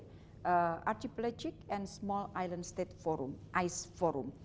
dan setelah itu kita akan mengadakan ktt archipelagic and small island state forum ice forum